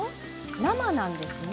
生なんですね。